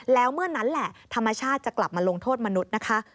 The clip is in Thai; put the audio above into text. แล้วเมื่อนั้นแหละธรรมชาติจะกลับมาลงโทษมนุษย์นะคะ